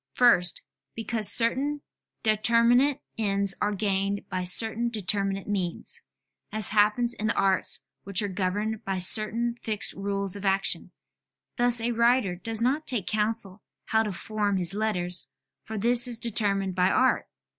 First, because certain determinate ends are gained by certain determinate means: as happens in the arts which are governed by certain fixed rules of action; thus a writer does not take counsel how to form his letters, for this is determined by art.